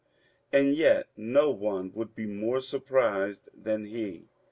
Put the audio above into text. And yet no one would be more surprised than he.